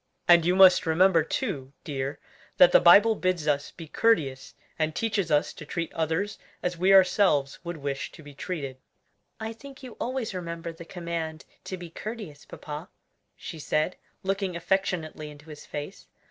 And you must remember too, dear, that the Bible bids us be courteous, and teaches us to treat others as we ourselves would wish to be treated." "I think you always remember the command to be courteous, papa," she said, looking affectionately into his face.